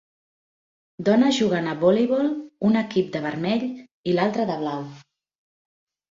Dones jugant a voleibol, un equip de vermell i l'altre de blau.